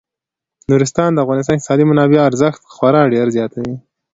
نورستان د افغانستان د اقتصادي منابعو ارزښت خورا ډیر زیاتوي.